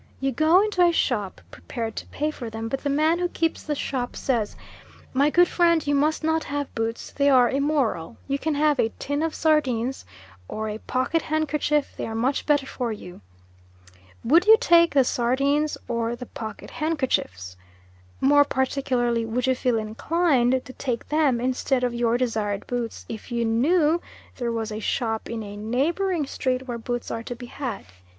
You go into a shop, prepared to pay for them, but the man who keeps the shop says, "My good friend, you must not have boots, they are immoral. You can have a tin of sardines, or a pocket handkerchief, they are much better for you." Would you take the sardines or the pocket handkerchiefs? more particularly would you feel inclined to take them instead of your desired boots if you knew there was a shop in a neighbouring street where boots are to be had?